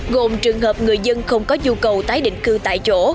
gồm trường hợp người dân không có nhu cầu tái định cư tại chỗ